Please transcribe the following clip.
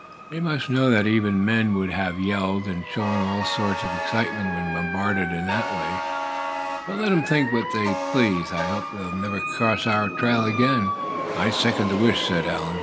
"They must know that even men would have yelled, and shown all sorts of excitement, when bombarded in that way. But let 'em think what they please. I hope we'll never cross their trail again." "Second the wish," said Allan.